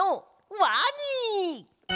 ワニ！